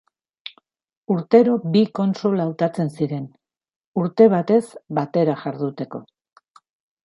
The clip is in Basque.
Urtero bi kontsul hautatzen ziren, urte batez batera jarduteko.